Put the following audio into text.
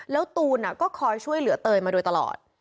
แล้วตูนก็คอยช่วยเหลือเตยมาโดยตลอด